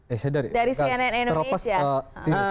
eh saya dari cnn indonesia